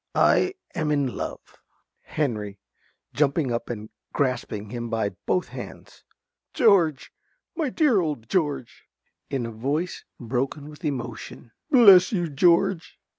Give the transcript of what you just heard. _) I am in love. ~Henry~ (jumping up and grasping him by both hands). George! My dear old George! (In a voice broken with emotion.) Bless you, George!